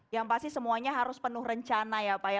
yang pasti semuanya harus penuh rencana ya pak ya